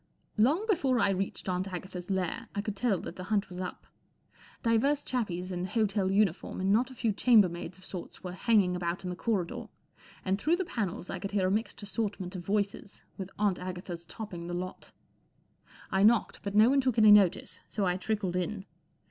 L ONG before I reached Aunt Agatha's u lair I could tell that the hunt was up. Divers chappies in hotel uniform and not a few chambermaids of sorts were hanging about in the corridor, and through the panels I could hear a mixed assortment of voices, with Aunt Agatha's topping the lot. I knocked, but no one took any notice, so I trickled in.